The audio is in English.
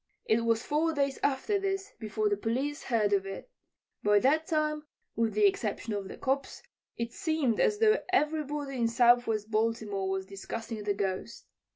It was four days after this before the police heard of it. By that time, with the exception of the "cops," it seemed as though everybody in Southwest Baltimore was discussing the Ghost.